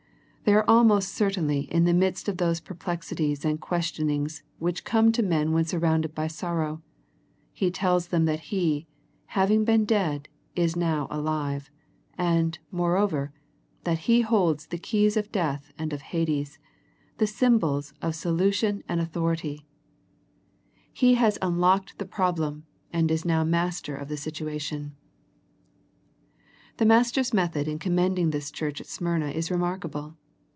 They are almost certainly in the midst of those perplexities and questionings which come to men when surrounded by sorrow. He tells them that He, having been dead, is now alive ; and, moreover, that He holds the keys of death and of Hades, the symbols of solution and au The Smyrna Letter 59 thority. He has unlocked the problem and is now Master of the situation. The Master's method in commending this church at Smyrna is remarkable.